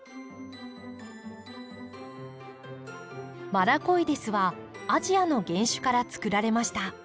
マラコイデスはアジアの原種からつくられました。